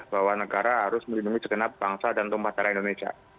bahwa negara harus melindungi segenap bangsa dan tumpah darah indonesia